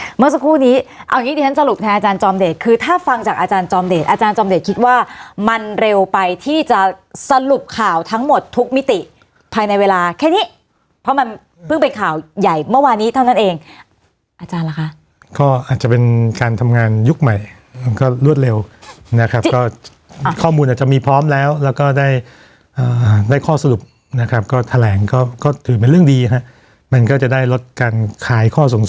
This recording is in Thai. สวัสดีครับเมื่อสักครู่นี้อาจารย์จอมเดชคือถ้าฟังจากอาจารย์จอมเดชอาจารย์จอมเดชคิดว่ามันเร็วไปที่จะสรุปข่าวทั้งหมดทุกมิติภายในเวลาแค่นี้เพราะมันเพิ่งเป็นข่าวใหญ่เมื่อวานี้เท่านั้นเองอาจารย์ล่ะคะก็อาจจะเป็นการทำงานยุคใหม่ก็รวดเร็วนะครับก็ข้อมูลจะมีพร้อมแล้วแล้วก็ได้ได้ข้อส